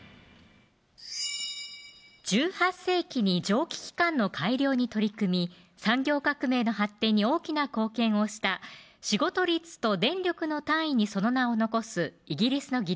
１８世紀に蒸気機関の改良に取り組み産業革命の発展に大きな貢献をした仕事率と電力の単位にその名を残すイギリスの技術者は誰でしょう